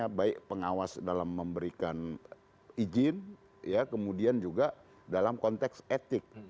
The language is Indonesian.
ya baik pengawas dalam memberikan izin ya kemudian juga dalam konteks etik